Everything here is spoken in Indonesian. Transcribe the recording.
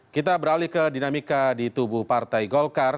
kita beralih ke dinamika di tubuh partai golkar